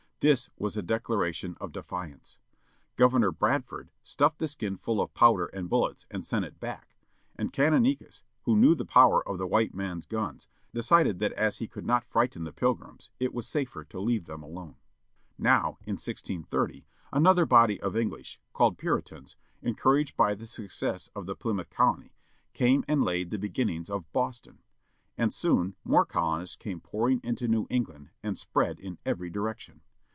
This was a declaration of defiance. Governor Bradford stuffed the skin full of powder and bullets, and sent it back, and Canonicus, who knew the power of the white man's guns, decided that as he could not frighten the Pilgrims it was safer to leave them alone. Now, in 1630, another body of English, called Puritans, encouraged by the success of the Plymouth colony, came and laid the beginnings of Boston. And soon more colonists came pouring into New England, and spread in every direction.